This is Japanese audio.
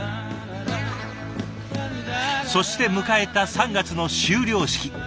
そして迎えた３月の修了式。